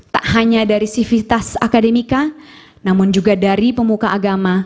tak hanya dari sivitas akademika namun juga dari pemuka agama